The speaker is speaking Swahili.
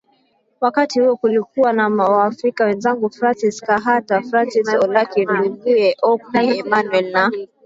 wakati huo kulikuwa na Waafrika wenzangu Francis Kahata Francis Olaki nduguye Okwi Emmanuel na